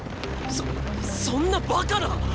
そそんなバカな！